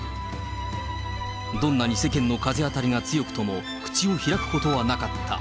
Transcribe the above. どんなに世間の風当たりが強くとも、口を開くことはなかった。